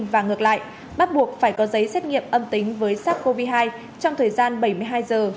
và ngược lại bắt buộc phải có giấy xét nghiệm âm tính với sars cov hai trong thời gian bảy mươi hai giờ